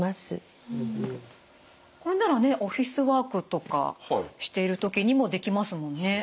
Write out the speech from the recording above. これならねオフィスワークとかしている時にもできますもんね。